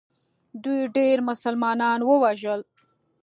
دوی ډېر مسلمانان ووژل.